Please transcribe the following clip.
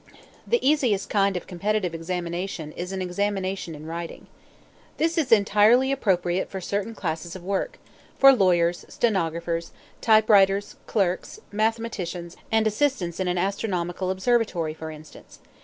The easiest kind of competitive examination is an examination in writing. This is entirely appropriate for certain classes of work, for lawyers, stenographers, typewriters, clerks, mathematicians, and assistants in an astronomical observatory, for instance.